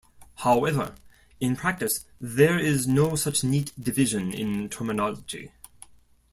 However, in practice, there is no such neat division in terminology.